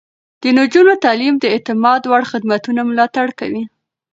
د نجونو تعليم د اعتماد وړ خدمتونه ملاتړ کوي.